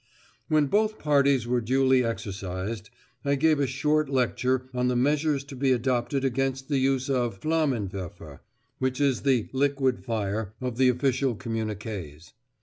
When both parties were duly exercised, I gave a short lecture on the measures to be adopted against the use of Flammenwerfer, which is the "Liquid Fire" of the official communiqués.